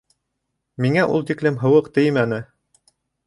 Миңә ул тиклем һыуыҡ теймәне...